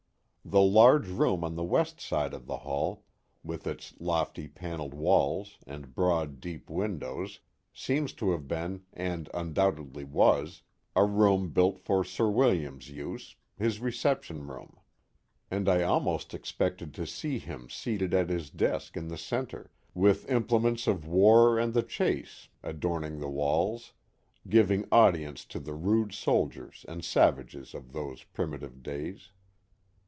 The large, room on the west side of the hall, with its lofty panelled walls and broad, deep windows, seems to have been, and undoubtedly was, a room built for Sir William's use, his reception room. And I almost expected to see him seated at his desk in the centre, with implements of war and the chase adorning the Guy Park and Fort Johnson 149 walls, giving audience to the rude soldiers and savages of those primitive days.